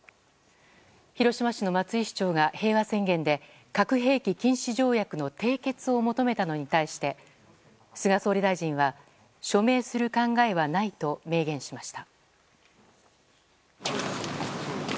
広島市の松井市長が平和宣言で核兵器禁止条約の締結を求めたのに対して菅総理大臣は署名する考えはないと明言しました。